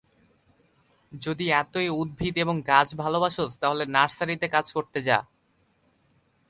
যদি এতই উদ্ভিদ এবং গাছ ভালবাসোস তাহলে নার্সারিতে কাজ করতে যা।